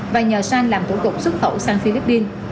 và nhờ san làm thủ cục xuất khẩu sang philippines